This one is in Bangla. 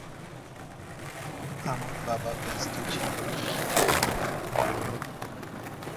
আমার বাবা ব্যস্ত ছিল।